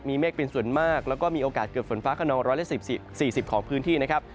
มีเมฆเป็นส่วนมากแล้วก็มีโอกาสเกิดฝนฟ้าขนองร้อยละ๑๐๔๐ของพื้นที่นะครับ